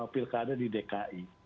pilkada di dki